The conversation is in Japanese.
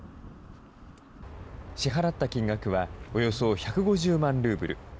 支払った金額はおよそ１５０万ルーブル。